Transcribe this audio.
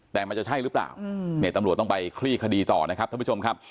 แต่มันจะใช่หรือเปล่าเนี่ยตำรวจต้องไปคลี่คดีต่อนะครับท่านผู้ชมครับ